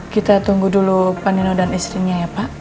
kita tunggu dulu panino dan istrinya ya pak